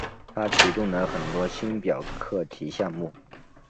他启动了很多星表课题项目。